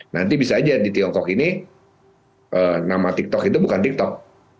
nanti bisa aja di tiongkok ini nama tiktok itu bukan tiktok